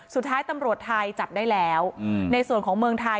สุดท้ายตำรวจไทยจับได้แล้วในส่วนของเมืองไทย